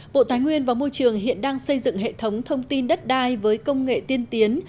bộ tài nguyên và môi trường hiện đang xây dựng hệ thống thông tin đất đai với công nghệ tiên tiến